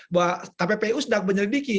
bahwa kppu sedang menyelidiki